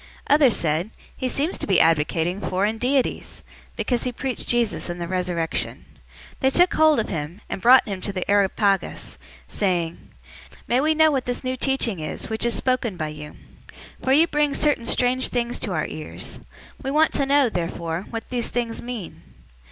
Others said, "He seems to be advocating foreign deities," because he preached Jesus and the resurrection. 017:019 They took hold of him, and brought him to the Areopagus, saying, "May we know what this new teaching is, which is spoken by you? 017:020 For you bring certain strange things to our ears. We want to know therefore what these things mean."